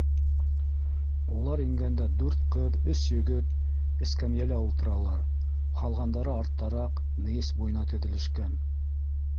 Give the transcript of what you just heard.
Улар ингәндә дүрт ҡыҙ, өс егет эскәмйәлә ултыралар, ҡалғандары арттараҡ, мейес буйына теҙелешкән.